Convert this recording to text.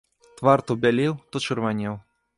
Твар то бялеў, то чырванеў.